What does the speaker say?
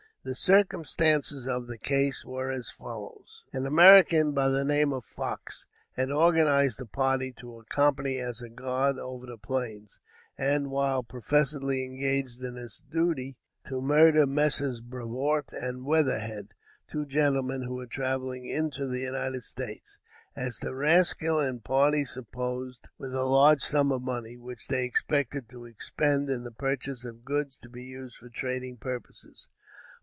The circumstances of the case were as follows. An American, by the name of Fox, had organized a party to accompany as a guard over the plains, and, while professedly engaged in this duty, to murder Messrs. Brevoort and Weatherhead, two gentlemen who were traveling into the United States, as the rascal and party supposed, with a large sum of money which they expected to expend in the purchase of goods to be used for trading purposes.